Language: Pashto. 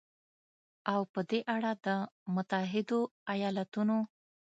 او په دې اړه د متحدو ایالتونو